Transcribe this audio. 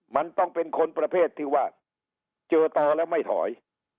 มันต้องเป็นคนประเภทที่ว่าเจอต่อแล้วไม่ถอย